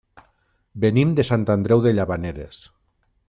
Venim de Sant Andreu de Llavaneres.